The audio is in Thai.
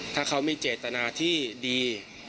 ถ้าเขามีเจตนาที่ดี